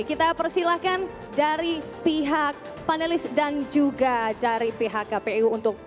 kita persilahkan dari pihak panelis dan juga dari pihak kpu untuk melakukan pertanyaan ini ya